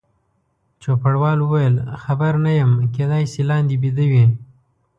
چوپړوال وویل: خبر نه یم، کېدای شي لاندې بیده وي.